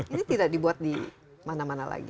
ini tidak dibuat di mana mana lagi